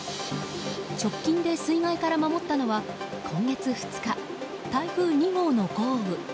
直近で水害から守ったのは今月２日、台風２号の豪雨。